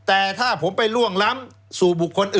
แล้วเขาก็ใช้วิธีการเหมือนกับในการ์ตูน